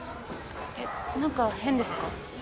えっ何か変ですか？